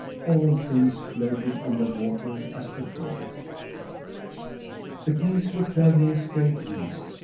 All things floated on the water as before. The geese were travelling straight east.